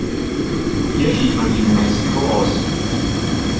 Hier schied man gegen Mexiko aus.